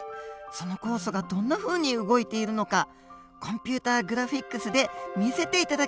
その酵素がどんなふうに動いているのかコンピューターグラフィックスで見せて頂きました。